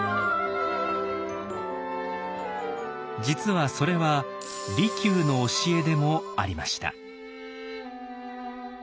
実はそれは利休の教えでもありました。